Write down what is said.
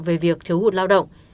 về việc thiếu hụt lao động